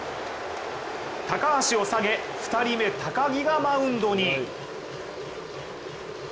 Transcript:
高橋を下げ、２人目、高木がマウンドに。